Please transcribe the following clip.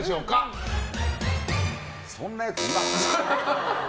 そんなやついるか。